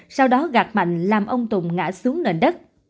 sau đó gạt mạnh làm ông tùng ngã xuống nền đất